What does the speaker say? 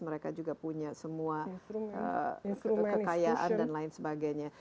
mereka juga punya semua kekayaan dan lain sebagainya